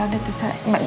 ya udah tuh saya